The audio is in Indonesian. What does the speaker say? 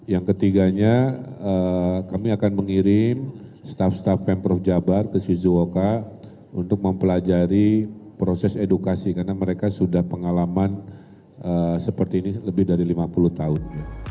yang ketiganya kami akan mengirim staff staf pemprov jabar ke swizuoka untuk mempelajari proses edukasi karena mereka sudah pengalaman seperti ini lebih dari lima puluh tahun